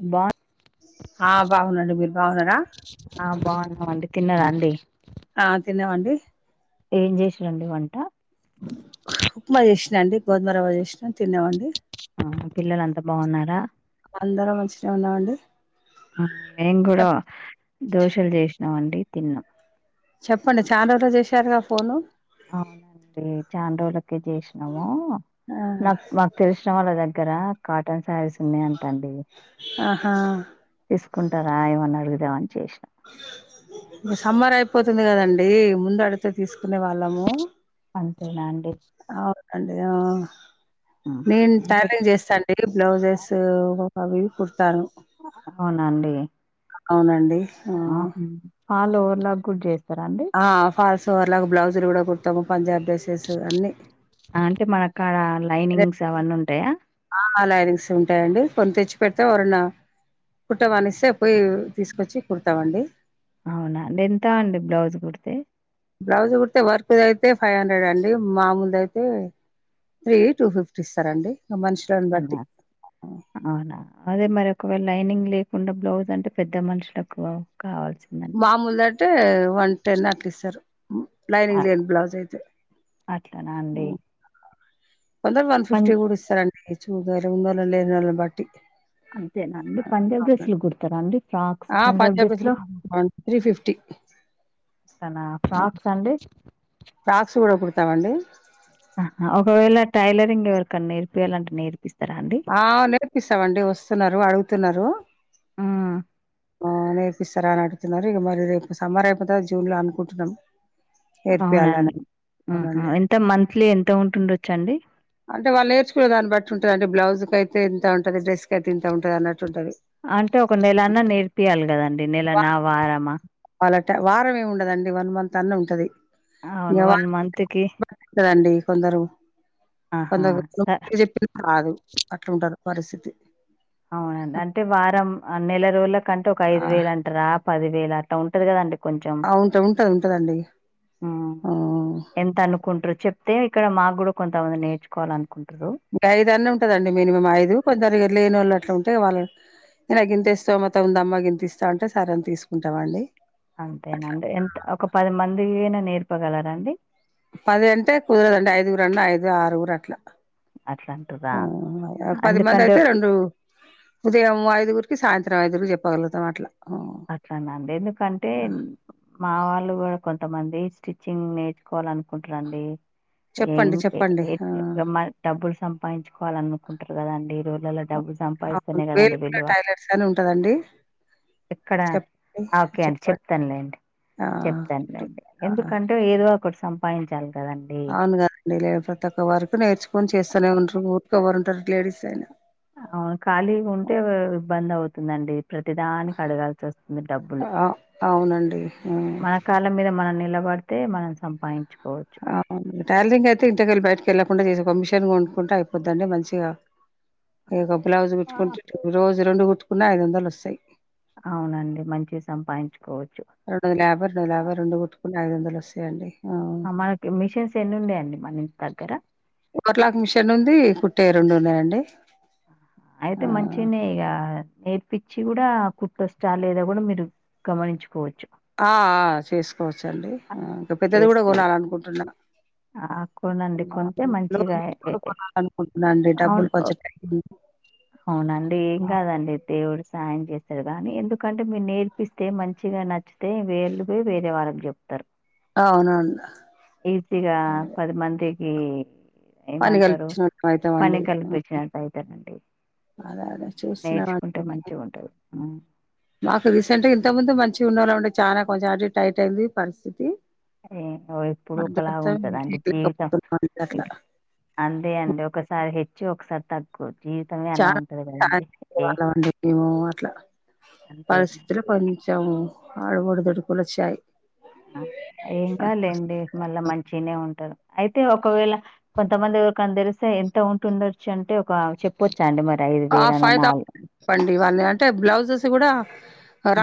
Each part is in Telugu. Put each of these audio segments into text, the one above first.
అబ్బా ఆ బాగున్నా అండి మీరు బాగున్నారా ఆ బాగున్నాం అండి తిన్నరా అండి ఆ తిన్నాం అండి ఏం చేసిర్రు అండి వంట ఉప్మా చేసినా అండి గోధుమరవ్వ చేసినా తిన్నామండి ఆ పిల్లలు అంతా బాగున్నారా [unintelligible] అండి మేం కూడా దోషాలు చేసినాం అండి తిన్నాం చెప్పండి చాలా రోజులు చేసారుగా ఫోను అవునండి చానా రోజులకు చేసినాము ఆ నాకు మాకు తెలిసిన వాళ్ళదంటే దగ్గర కాటన్ శారీస్ ఉన్నాయ అంటా అండి ఆహా కుంటారా ఏమనాఅడుగుదామనీ చేసినా ఇంగ సమ్మర్ అయిపోతుంది కదండి ముందు అడితే తీసుకు కునే వాళ్ళము అంతేనా అండి అవునండి ఉమ్. నేను అంతే. టైలరింగ్ చేస్తాండి బ్లౌజెస్ ఒ అవి కుడతాను అవునండి ఆ పాల్ ఓర్లాక్ కూడా చే ఆ ఫాల్స్ ఓర్లాక్ బ్లౌజు కూడా కుడుతాము పంజాబి అంటే మన కాడా లైనింగ్స్ అవన్నీ ఉంటాయా ఆ లైనింగ్స్ ఉంటాయండి కొన్ని తెచ్చి పెడితే ఎవరన్న కుట్టమని ఇస్తే పోయి తీసుకొచ్చి కుడతామండి అవునా అండి ఎంత అండి బ్లౌజ్ కుడితే బ్లౌజ్ కుడితే వర్క్ది అయితే ఫైవ్ హండ్రెడ్ అండి మామూలుది అయితే త్రీ టూ ఫిఫ్టీ ఇస్తారు అండి అనా అవునా అదే మరి ఒకవేళ లైనింగ్ లేకుండా బ్లౌజ్ అంటే పెద్ద మనుషులకు కావాల్సిందంటే మామూలుది అంటే వన్ టెన్ అట్ల ఇస్తారు లైనింగ్ లేని బ్లౌజ్ అయితే అట్లానా అండి కొందరు వన్ పం ఫిఫ్టీ కూడా ఇస్తారండి చూ ఉన్నోళ్ళు లేనోళ్లని బట్టి అంతేనా అండి పంజాబ్ డ్రెస్ లు కుడతారా అండి ఫ్రాక్స్ ఆ పంజాబ్ పంజాబ్స్ డ్రెస్‌లో త్రీ ఫిఫ్టీ అట్లానా ఫ్రాక్స్ అండి రావా అండి ఆహా ఒకవేళ టైలరింగ్ ఎవరికన్న నేర్పియాలంటే నేర్పిస్త ఆ నేర్పిస్తామండి వస్తున్నారు అడుగుతున్నారు హ్మ్. ఆ నేర్పిస్తారా అని అడుతున్నారు ఇక మరి రేపు సమ్మర్ అయిపోతే జూన్ లో అనుకుంటున్నాం నేర్పియాలని అవునండి అవునండి ఎంత మంత్లీ ఎంత ఉంటుండొచ్చు అండి అంటే వాళ్ళ నేర్చుకునే దాన్ని బట్టి ఉంటది అండి బ్లౌజ్ కి అయితే ఇంత ఉంటది డ్రస్ కి అయితే ఇంత ఉంటది అన్నట్టు ఉంటది అంటే ఒక నెల అన్న నేర్పియాలి కదండి నెల నా వారమా వాళ్ళ వారం ఏమి ఉండదండి వన్ మంత్ అన్న ఉంటది అవును. మంత్‌కి [inaudible] కొందరు ఆహా! కకొందరు స [unintelligible] రాదు అట్లుంటారు పరిస్థితి అవునండి అంటే వారం నెల రోజుల కంటే ఒక ఆ ఐదు వేలు అంటార పదివేలు అట్లా ఉంటది కదండి కొంచెం ఆ! ఉంట ఉంటది ఉంటదండి ఎంత అనుకుంటారు చె ఇక్కడ మాగుడు మీ ఐదు అన్ని ఉంటదండి మినిమం ఐదు కొంతర లేనిళ్ళు అట్లా ఉంటుంది అంటే వాళ్ళ నే గింత ఇస్తా మత్తం ఉందమ్మ గింత ఇస్తా అంటే సరే అని తీసుకుంటాం అండి అంతేనండి ఎంత ఒక పది మందినా నేర్పగలరాండి పది అంటే కుదరదండి ఐదుగురు అన్న ఐదుగు ఆరుగురు అట్లా అట్లా అంటుర్రా? ఆ పది మంది ఎందుకంటే అయితే రెండు ఉదయం ఐదుగురికి సాయంత్రం ఐదుగురికి చెప్పగలుగుతాం అట్లా ఆ, అట్లానంది ఎందుకంటే ఆ, మా వాళ్ళు కూడా కొంతమంది స్టిచ్చింగ్ నేర్చుకోవాల అనుకుంటున్నాండి చెప్పండి చెప్పండి ఆ [unintelligible] డబ్బులు సంపాదించుకోవాల అనుకుంటారు కదాండి ఈ రోజులలో డబ్బులు సంపాదస్తునే కద అ వెలువ ని ఉంటదండి ఇక్కడ చెప్పండి ఓకే అండి చెప్పండి చెప్తానులేండి ఆ చెప్తానులేండి ఆ, ఎందుకంటే ఏదో ఒకటి సంపాదించాలి కదండి అవును కదండి లే ప్రతి ఒక్క వరకు నేర్చుకొని చేస్తూనే ఉంటారు ఊర్కవరు ఉంటారు లేడీస్ అయినా అవు ఖాళీ ఉంటే ఇబ్బంది అవుతుందండి ప్రతిదానికి అడగాల్సి వస్తుంది డబ్బులు ఆ, అవునండి ఆ, మన కాళ్ళ మీద మనం నిలబడితే మనం సంపాదించుకో ఆ టైలరింగ్ అయితి ఇంతకాలి బయటకెల్ చేే ఒక మిషన్ గా వండుకుంటే అయిపోద్దండి మంచిగా ఈ బ్లౌజ్ ఆ కుట్టుకుంట రోజు ఇది రెండు కుట్టుకున్నా ఐదు వందలు వస్తాయి అవునండి మంచిగా సంపాదించు అర లేభరం లే అభరుడు కు [unintelligible] మనకి మిషన్స్ ఎన్ని ఉన్నాయ్ మన ఇంటి దగ్గర ఒకలాక్ మిషన్ ఉంది కుట్టే రెండు ఉన్నాయండి అయితే ఆ మాంచిగానే ఈగ నేర్పించి కూడా కుట్ర స్ట లేదా కూడా మీరు గమనించుకోవచ్చు ఆ చేసుకోవచ్చ అండి ఇంకా పెద్దది కూడా చేసుకోవచ్చు కొనాల అనుకుంటున్నా ఆ కొనండి కొంటే మంచిగా ఎ [unintelligible] ఎ అనుకుంట రండి డబ్బులు అవును కొంచ అవునండి ఏం కాదండి దేవుడు సాయం చేస్త కాని ఎందుకంటే మీరు నేర్పిస్తే మంచిగా నచ్చితే వేళ పో వేరే వాళ్ళకి చెప్తారు ఆవునడి తిగా పదిమందికి పని ఏమంటారు కల్పించినట్టు పని అవుతామండి కల్పించినట్టు అయితేనండి అదే అదే నేర్చుకుంటే చూస్తున్నామండి మంచిగా ఉంటది మాకు రీసెంట్ గా ఇంత ముందు మంచిగా ఉండ వాళ్ళ ఉంటే చాలా కొంచెం ఆల్రెడీ టైట్ అయింది పరిస్థితి ఏ ఓ ఇప్పుడు ఒకలాగు అందుకోసం ఉంటది అంది జీవితం చేయలేకపోతున్నాం అండి ఇ అట్లా అంతే అండి ఒకసారి హెచ్చి ఒకసారి తగ్కువదు చాలా వాళ్ళం అండి మేము అట్లా అంతేనా పరిసతుల కొంచెం ఆడువడుదడు కులచ్చాయి ఆ ఏంకాలండి మళ్ళా మంచినే ఉంటారు అయితే ఒకవేళ కొంతమంది ఎరికని తెరిస్తే ఎంత ఉంటుండొచ్చు అంటే ఒక చెప్పొచ్చు ఐదు పేర అన్న నాలుగు పండి వాళ్ళని అంటే బ్లౌజెస్ కూడా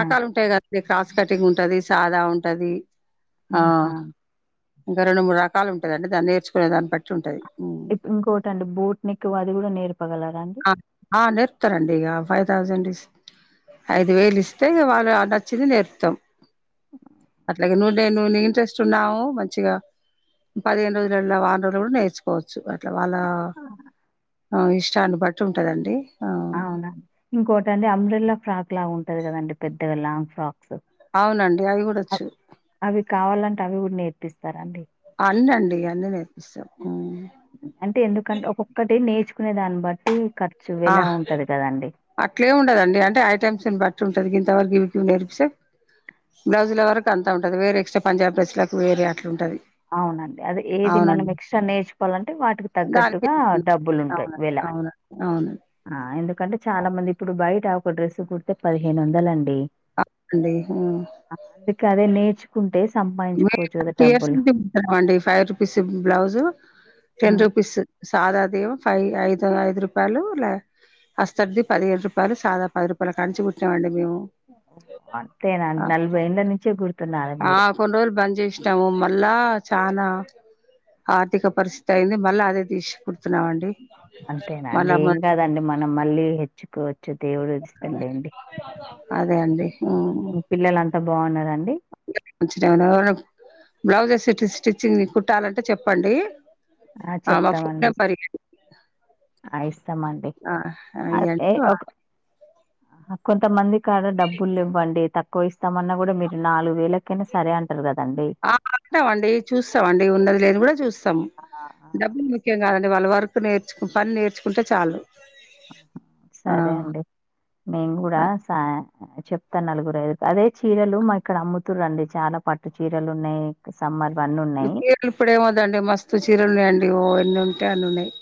ఆ ఉంటాయి కదడి క్రాస్ కటింగ్ ఉ ఉంటది సాదా ఉంటది ఆహా ఇంక రెండు మూడు రకాలు ఉంటాధి దాని నేర్చుకునే దాని బట్టి ఉంటాధి ఇంకోటిండి బూట్ నెక్కువ అది కూడా నేర్పు ఆ నేర్పుతారండి ఇగ ఫైవ్ థౌజండ్ ఇస్ ఐదు వేలు ఇస్తే వాళ్ళు నచ్చింది నేర్పతం అట్లాగే ను నేను ఇంట్రెస్ట్ ఉన్నాను మంచిగా పదిహేను రోజులలా వారం రోజులు కూడా నేర్చుకోవచ్చు అ ఇట్లా వాళ్ళ ఇష్టాన్ని బట్టి ఉంటదండి ఆ అవునా ఇంకోటండి అంబ్రిల్లా ఫ్రాక్ లాగా ఉంటది కదండి పెద్దగా లాంగ్ ఫ్రాక్ క్స్ అవునండి అవి కూడావచ్చు అవి కావాలంటే అవి కూడా నేర్పిస్తారండి అన్నండి అన్నీ నేర్పిస్తాం ఉమ్. అంటే ఎందుకంటే ఒక్కొక్కటి నేర్చుకునే దాన్ని బట్టి ఖర్చు ఎలా ఆహ్ ఉంటది కదండి అట్లేమి ఉండదండి అంటే ఐటమ్సును బట్టి ఉంటది గింతవరకు నేర్పిస్తే బ్లౌజుల వరకు అంత ఉంటది వేరే ఎక్స్ట్రా పంజాబ్ డ్రెస్సెసుకు వేరే అట్లా ఉంటది అవునండి అదె ఏది మనం అవునండి ఎక్స్ట్రా నేర్చుకోలం అంటే వాటికి దానికి తగ్గట్టుగా డబ్బులు ఉంటాయ్ అవును వెలా అవును అవును ఆ ఎందుకంటే చాలా మంది ఇప్పుడు బయట ఒక డ్రెస్సు కుడితే పదిహేను వందలండి అండి డి ఇక అదే నేర్చుకుంటే సంపాదించుకోవచ్చు గదా డబ్బులు [unintelligible] అండి ఫైవ్ రూపీస్ బ్లౌజు టెన్ హ్మ్. రూపీస్ సాదాదేమొ ఫైవ్ ఐదు ఐదు రూపాయలు లే అస్తర్ది పదిహేడు రూపాయలు సాదా పది రూపాయలు కానించి పుట్నాంమండి మేము అంతేనా అండి ఆ, నలభై ఏండ్ల నుంచే గుర్తున్నార ఆ మీరు [unintelligible] బంద్ జేసినాము మళ్ళా చానా ఆర్థిక పరిస్థితి అయింది మళ్ళీ అదే దీసీ కుడుతున్నామండి అంతేనా అండి మళ్ళా మ ఏం కాదండి మనం మళ్ళీ హెచ్చుకో చ్చు దేవుడు ఇస్తర్ లేండి అదే అండి పిల్లలు అంతా బాన్నర అం వచ్చినబుడు బ్లౌజెస్ స్టిచ్చింగ్ కుట్టాలంటే చెప్పండి ఆ మా ఫోన్ చెప్తామండి నెంబర్ ఇయ్యండి అ ఇస్తమండి ఆ అయితే ఇయ్యండి ఒక కొంతమందికాడ డబ్బులివ్వండి తక్కువ ఇస్తామన్నా గుడా మీరు నాలుగు వేలె ఆ అంటామండి చూస్తామండి ఉన్నది లేనిది కూడా చూస్తా ఆ, ఆ, డబ్బులు ముఖ్యం గాదండి వాళ్ళు వర్క్ నేర్చుకు పని నేర్చుకుంటే చాలు ఆ సరే అండి మేమ్ గూడా సా చెప్తాను నలుగురు ఐదు అదే చీరలు మా ఇక్కడ అమ్ముతుర్రండి చానా పట్టు చీరలు ఉన్నాయి సమ్మర్ వన్నీ ఉన్నాయి చీరలు ఇప్పుడేం వద్దండి మస్తు చీరలున్నాయండి ఓ ఎన్ని ఉంటే అన్ని ఉన్నాయ్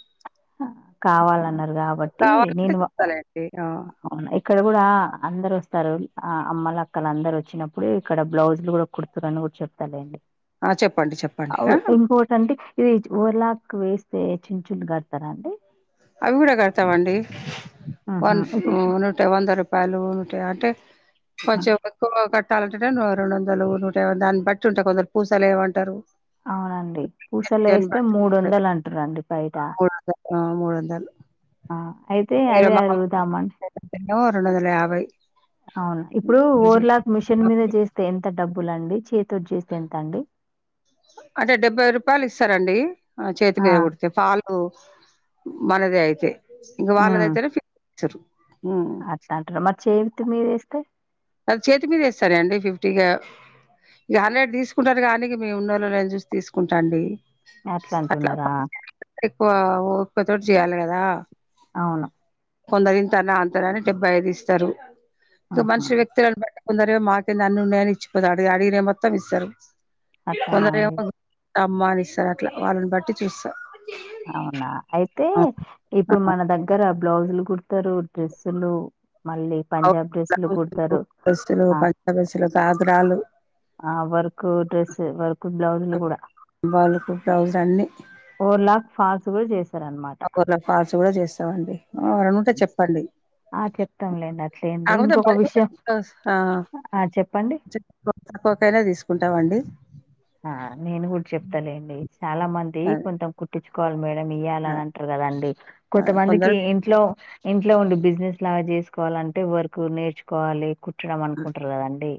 కావాలన్నారు గాబట్టి కావాలంటే నేను వ చూస్తాలేండి ఆ! అవునా ఇక్కడ గూడా అందరు వస్ స్తారు ఆ అమ్మలక్కలు అందరు వచ్చినప్పుడు ఇక్కడ బ్లౌజ్లు గుడా కుడుతరని కూడా చెప్తలేండి ఆ చెప్పండి చెప్పండి ఆ అవ్ ఇంపోర్టెంటీ ఇది ఓర్లాక్ వేస్తే చిళ్ళు చిళ్ళు గడతరా అండి అవి గూడా కడతామండి ఆహా వన్ ఊ ఇప్పుడు నూట వంద రూపాయలు నూటా అంటే కొంచెం ఎక్కువ కట్టాలంటే రెండు వందలు నూట యాభై దాన్ని బట్టి ఉంటా కొందరు పూసలెయ్యమంటారు అవునండి పూసలేస్తే మూడు ఉంటది. వందలు అంటుర్రండి బయట. [unintelligible] ఆ మూడ వందలు ఆ! అయితే వేరే అదే అరుగుదామండి ఏమో రెండు వందల యాభై అవున ఇప్పుడు ఓర్ లాక్ మిషన్ మీద జేస్తే ఎంత డబ్బులండి చేత్తోటి జేస్తే ఎంతండి అదే డెబ్బై రూపాయలు ఇస్తరండి చేతి ఆ! మీద గుడితే ఫాల్ లు మనదే అయితే ఇంగ వాళ్ళదయితేనే [unintelligible] అట్లంటర మరి చేతి మీద ఏస్తే అది చేతి మీద ఏస్తారా అండి ఫిఫ్టీగా ఇగ హండ్రేడ్ దీసుకుంటారు గానీకి మేము ఉన్నోళ్ళు లేన్ జూసి తీసుకుంటా అండి అట్లా ఎక్కువ ఎక్కు తోటి చేయాలి కదా అవును కొందరురి ఇంతనా అంతనాని డెబ్బై ఐదు ఇస్తారు ఇక ఆహా! మనుషి వ్యక్తులను తొందర మాకే నన్ను ఉన్నాయని ఇచ్చిపోతా అడిగి అడిగిన మొత్తం ఇస్తారు అట్టనాడి కొందరేమో అమ్మా అని ఇస్తారు అట్లా వాళ్ళని బట్టి చూస్తారు అవునా అయితే ఇప్పుడు మన దగ్గర బ్లౌజులు కుతారు డ్రెస్సులు మళ్ళీ పంజాబ్ డ్రెస్సులు కుడతారు డ్రెస్సులు ఆ పంజాబ్ డ్రెస్సులు గాగ్రాలు ఆ వర్క్ డ్రెస్ వర్క్ బ్లౌజ్లు కూడా వాళ్ళకు బ్లౌజ్ ఓర్ లాక్ ఫాల్స్ కూడా చేస్త ఆ ఊర్ల ఫాల్స్ కూడా చేస్తావండి వర ఉంటే చెప్పండి ఆ చెప్తాంలేండి అట్లేంది కాకపోతే ఇంకొక మనీ విషయం ఆ ఆ చెప్పండి తక్కుకైనా తీసుకుంటాం అండి ఆ నేను కూడా చెప్తాలేండి చాలా మంది అదే కొంచెం కుట్టించుకోవాలి మేడం అ ఇయ్యాలని అంటారు కదండి ఆ కొంతమందికి కొందరు ఇంట్లో ఇంట్లో ఉండి బిజినెస్ లాగా చేసుకోవాలంటే వర్కు నేర్చుకోవాలి కు ట్టడం ఆ! అనుకుంటారు కదండి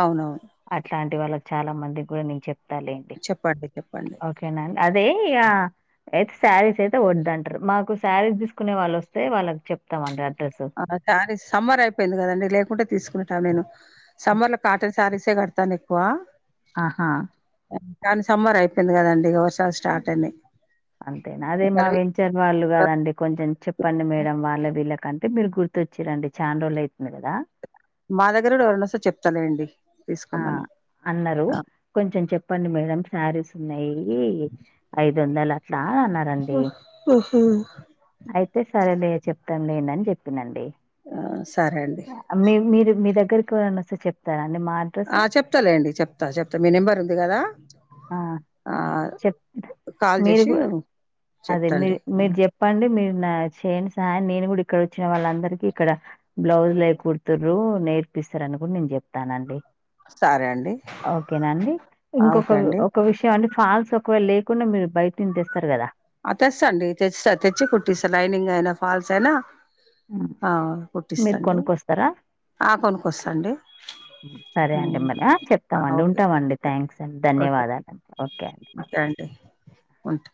అవునవును. అట్లాంటి వాళ్ళకి చాలా మంది కూడా నేను చెప్ చెపత్తా లెండి చెప్పండి. చెప్పండి. ఓకేనండి అదే ఇక అయితే శారీస్ అయితే వదు అంటారు మాకు శారీస్ తీసుకునే వాళ్ళు వస్తే వాళ్ళకి చెప్తామంటారు ఆ సార సమ్మర్ అయిపోయింది కదండి లేకుంటే తీసుకుంటాను నేను సమ్మర్ లో కాట సారిస గడత ఎక్కువ ఆహా కానీ సమ్మర్ అయిపోయింది కదండి ఇ వర్షాలు స్టార్ట్ అయినాయి అంతేనా అదే మా కలువి వెంచర్ వాళ్ళు కాదండి కొంచెం చెప్పండి మేడం వాళ్ళవి వీలకంటే మీరు గుర్తుొచ్చారండి చా రోజులు అయితుంది కదా మా దగ్గర కూడా ఎవరైనా వేస్తే చెప్తలేండి తీసుకోమని అన్నారు ఆ! కొంచెం చెప్పండి మేడం శారీస్ ఉన్నాయి అయి ఐదు వందలు అట్లా అన్నారండి ఓహ్! ఓహో! అయితే సరే చె మం లేదని చెప్పినండి ఆ! సరే అండి. మీ మీరు మీ దగ్గర దగ్గకి ఎవరు అన్న వస్తే చెప్తారు అండి అడ్రస్? ఆ చెప్తాలేండి చెప్తా చెప్తా మీ నెంబర్ ఉంది కదా ఆ ఆ! చెప్ కాల్ మీరు చేసి కూడా అదే చెప్తాండి. మీరు మీరు చెప్పండి మీరు నా చేన్ స నేను కూడా ఇక్కడ వచ్చిన వాళ్ళందరికి ఇక్కడ బ్లౌజ్ లే కుతు్ర నేర్పిస్తారని నేను చెప్తానండి సరే అండి. ఓకేనండి ఆ! ఇంకొక ఓకే అండి ఒక విషయం అంటే ఫాల్స్ ఒకవేళ లేకుండా మీరు బయట నింతేస్తారు కదా ఆ! తెస్తండి తెస్తా తెచ్చి హ్మ్. మీరు పుట్టిస్తాండి కొనుక్కొస్తారా? ఆ కొనుక వస్తాండి సరే అండి మరి చెప్తామండి ఉంటామండి థ్యాంక్స్ అండి ధన్యవాదాలుడి ఓకే అండి ఉంట